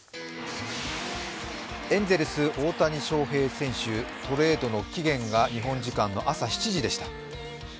エンゼルス・大谷翔平選手、トレードの期限が日本時間の朝７時でした